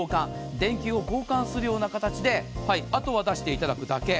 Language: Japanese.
電球を交換するような形であとは出していただくだけ。